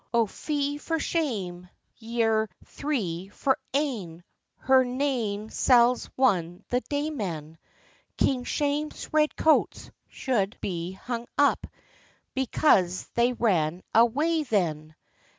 Oh fy for shame, ye're three for ane, Hur nane sell's won the day, man; King Shames' red coats should be hung up, Because they ran awa' then.